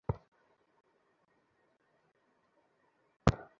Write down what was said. Ahammad Ali Narayanganj city করপোরেশনের mayor Selina Hayat আইভীর ছোট ভাই।